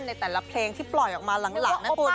ในแต่ละเพลงที่ปล่อยออกมาหลังนะคุณ